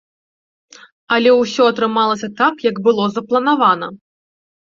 Але ўсё атрымалася так, як было запланавана.